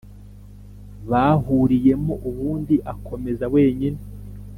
bahuriyemo ubundi akomeze wenyine.